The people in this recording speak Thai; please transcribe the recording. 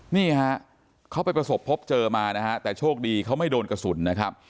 นี่ฮะเขาไปประสบพบเจอมานะฮะแต่โชคดีเขาไม่โดนกระสุนนะครับ